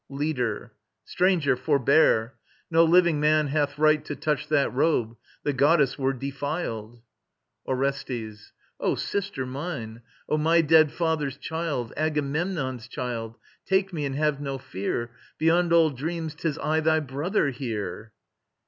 ] LEADER. Stranger, forbear! No living man hath right To touch that robe. The Goddess were defiled! ORESTES. O Sister mine, O my dead father's child, Agamemnon's child; take me and have no fear, Beyond all dreams 'tis I thy brother here.